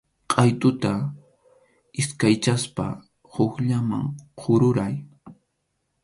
Qʼaytuta iskaychaspa hukllaman kururay.